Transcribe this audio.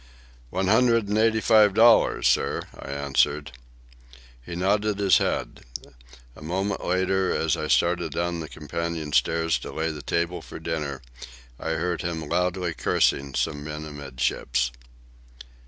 "One hundred and eighty five dollars, sir," I answered. He nodded his head. A moment later, as I started down the companion stairs to lay the table for dinner, I heard him loudly cursing some men amidships.